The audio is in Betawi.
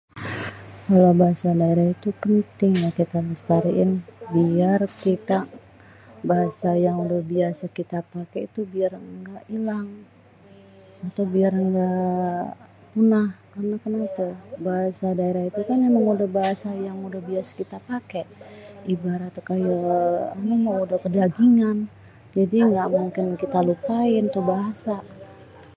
Kalo bahasa daerah itu penting ya kita lestariin biar kita bahasa yang udah biasa kita paké itu biar gak ilang ato biar gak punah. Karna kenapé? Bahasa daerah itu kan emang udah bahasa yang udah biasa kita paké. Ibarat kayak udah dagingan. Jadi gak mungkin kita lupain tu bahasa.